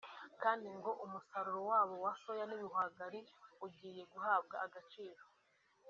Kandi ngo umusaruro wabo wa Soya n’ibihwagari ugiye guhabwa agaciro